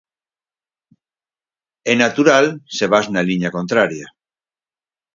É natural se vas na liña contraria.